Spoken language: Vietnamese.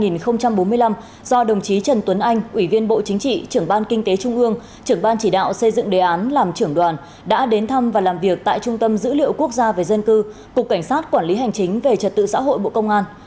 năm hai nghìn bốn mươi năm do đồng chí trần tuấn anh ủy viên bộ chính trị trưởng ban kinh tế trung ương trưởng ban chỉ đạo xây dựng đề án làm trưởng đoàn đã đến thăm và làm việc tại trung tâm dữ liệu quốc gia về dân cư cục cảnh sát quản lý hành chính về trật tự xã hội bộ công an